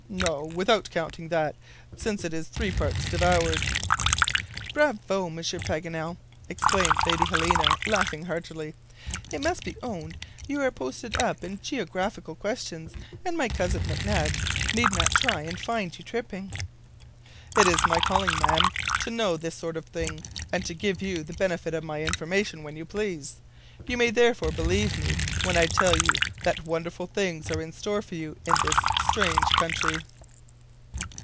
"No, without counting that, since it is three parts devoured." "Bravo, Monsieur Paganel," exclaimed Lady Helena, laughing heartily. "It must be owned you are posted up in geographical questions, and my cousin McNabbs need not try and find you tripping." "It is my calling, Madam, to know this sort of thing, and to give you the benefit of my information when you please. You may therefore believe me when I tell you that wonderful things are in store for you in this strange country."